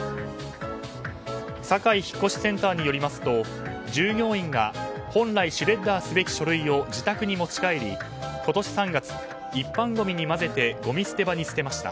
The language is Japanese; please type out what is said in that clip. サカイ引越センタ−によりますと従業員が本来シュレッダーすべき書類を自宅に持ち帰り今年３月、一般ごみに混ぜてごみ捨て場に捨てました。